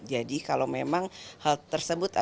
jadi kalau memang hal tersebut ada